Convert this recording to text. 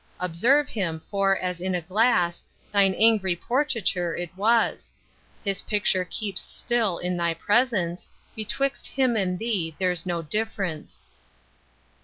Observe him; for as in a glass, Thine angry portraiture it was. His picture keeps still in thy presence; 'Twixt him and thee, there's no difference.